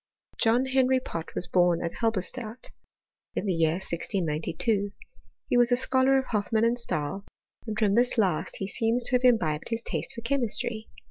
John Henry Pott was bom at Halberstadt, in the year 1692. He was a scholar of Hoffmann and Stahl, and from this last he seems to have imbibed his taste for chemistry.